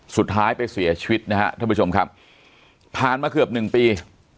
สุดท้ายไปเสียชีวิตนะฮะท่านผู้ชมครับผ่านมาเกือบหนึ่งปี